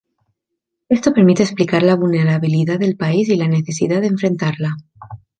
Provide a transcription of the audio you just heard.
Esto permite explicar la vulnerabilidad del país y la necesidad de enfrentarla.